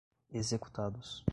executados